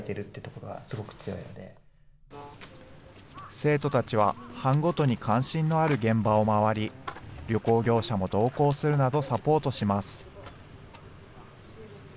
生徒たちは、班ごとに関心のある現場を回り、旅行業者も同行するなどサポートします。